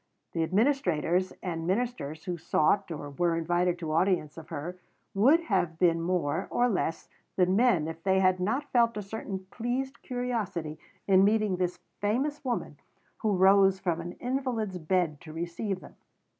The administrators and ministers who sought or were invited to audience of her would have been more (or less) than men if they had not felt a certain pleased curiosity in meeting this famous woman, who rose from an invalid's bed to receive them.